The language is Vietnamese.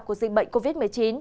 của dịch bệnh covid một mươi chín